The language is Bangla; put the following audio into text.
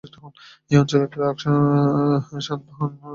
এই অঞ্চলে প্রাক-সাতবাহন রাজাদের মুদ্রা পাওয়া গিয়েছে।